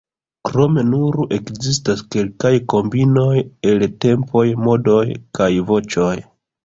Krome nur ekzistas kelkaj kombinoj el tempoj, modoj kaj voĉoj.